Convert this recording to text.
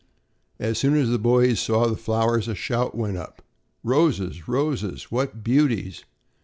As soon as the boys saw the flowers, a shout went up: "Roses! roses! What beauties!"